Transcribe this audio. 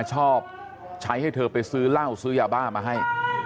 ชอบใช้ให้เธอไปซื้อเหล้าซื้อยาบ้ามาให้